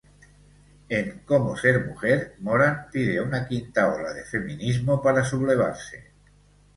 En "Cómo ser mujer", Moran pide una quinta ola de feminismo para sublevarse.